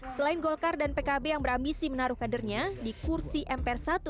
selain golkar dan pkb yang berambisi menaruh kadernya di kursi mpr satu